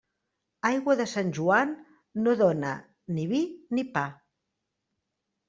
Aigua de Sant Joan no dóna ni vi ni pa.